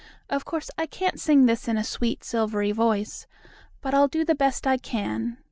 Of course, I can't sing this in a sweet, silvery voice, but I'll do the best I can.